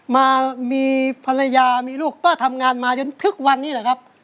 มามีภรรยามีลูกก็ทำงานมาจนทุกวันนี้แหละครับ